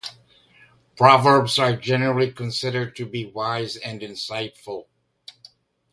Proverbs are generally considered to be wise and insightful.